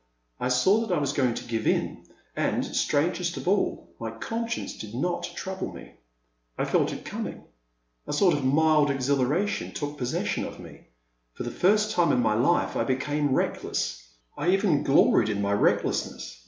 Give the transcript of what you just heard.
I saw that I was going to give in, and, strangest of all, my conscience did not trouble me. I felt it coming — a sort of mild exhilaration took possession of me. For the first time in my life I became reckless — I even gloried in my recklessness.